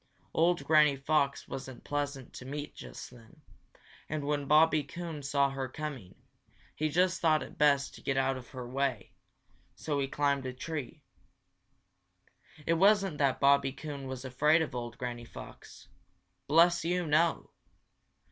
Old Granny Fox wasn't pleasant to meet just then, and when Bobby Coon saw her coming, he just thought it best to get out of her way, so he climbed a tree. It wasn't that Bobby Coon was afraid of old Granny Fox. Bless you, no!